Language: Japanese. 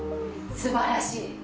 すばらしい！